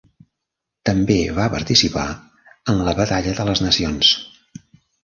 També va participar en la Batalla de les Nacions.